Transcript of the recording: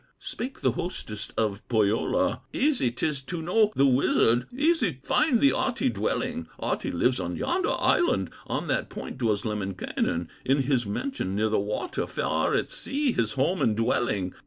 Spake the hostess of Pohyola: "Easy 'tis to know the wizard, Easy find the Ahti dwelling: Ahti lives on yonder island, On that point dwells Lemminkainen, In his mansion near the water, Far at sea his home and dwelling."